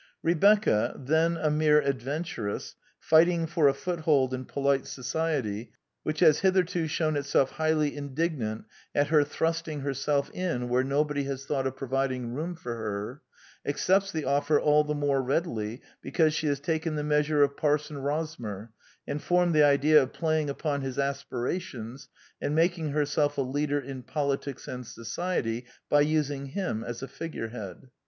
Rebecca, then a mere adventuress, fighting for a foothold in polite so The Anti Idealist Plays 115 ciety (which has hitherto shewn itself highly in dignant at her thrusting herself in where nobody has thought of providing room for her), accepts the offer all the more readily because she has taken the measure of Parson Rosmer, and formed the idea of playing upon his aspirations, and mak ing herself a leader in politics and society by using him as a figurehead.